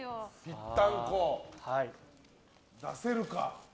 ぴったんこ出せるか。